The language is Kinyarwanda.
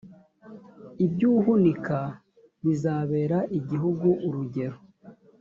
ibyuhunika bizabera igihugu urugero.